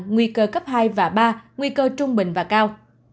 nguy cơ cấp hai và ba nguy cơ trung bình và cao